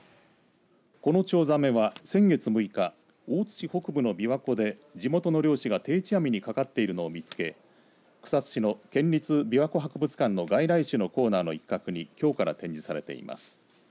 このチョウザメは先月６日大津市北部のびわ湖で地元の漁師が定置網にかかっているのを見つけ草津市の県立琵琶湖博物館の外来種のコーナーの一角にきょうから展示されています。